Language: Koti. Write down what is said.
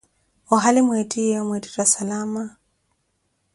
ohali mwettiyeewo mweettetta salama?